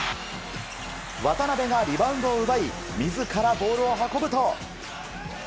渡邊がリバウンドを奪い、みずからボールを運ぶと。